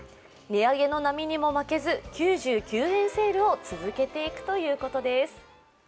値上げの波にも負けず９９円セールを続けていくということです。